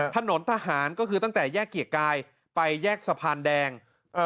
ถนนทหารก็คือตั้งแต่แยกเกียรติกายไปแยกสะพานแดงเอ่อ